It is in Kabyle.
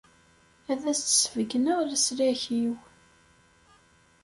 Ad as-d-sbeyyneɣ leslak-iw.